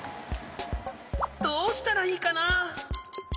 どうしたらいいかな？